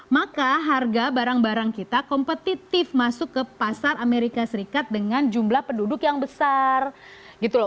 maka harga barang barang kita kompetitif masuk ke pasar amerika serikat dengan jumlah penduduk yang besar gitu loh